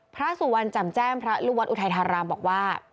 พระสุวรรณจำแจ้งพระลูกวัดอุทัยธารามบอกว่า